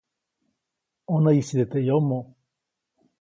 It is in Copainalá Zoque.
ʼÕnäyʼisite teʼ yomoʼ.